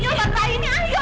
ya allah kak ini ayo